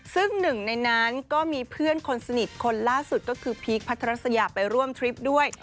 ซึ่งหนึ่งในนั้นก็มีเพื่อนคนสนิทคนล่าสุดก็คือพีคพัทรัสยาไปร่วมทริปด้วย